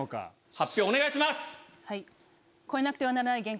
発表お願いします！